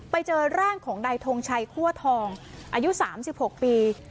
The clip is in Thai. ไปเจอร่างของใดทงชัยคั่วทองอายุสามสิบหกปี